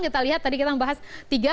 kita lihat tadi kita membahas tiga